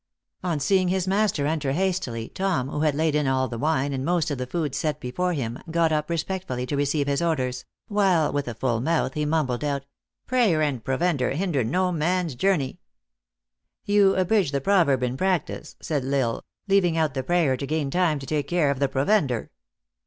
On seeing his master enter hastily, Tom, who had laid in all the wine, and most of the food set before him, got up respectfully to receive his orders ; while with a full mouth he mumbled out :" Prayer and provender hinder no man s journey." u You abridge tliQ proverb in practice," said L Isle, " leaving out the prayer to gain time to take care of the provender."